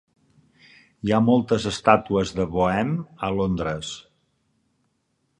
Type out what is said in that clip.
Hi ha moltes estàtues de Boehm a Londres.